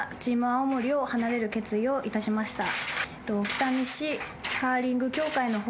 青森を離れる決意をいたしました。